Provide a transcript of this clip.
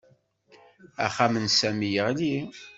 Axxam n Sami yeɣli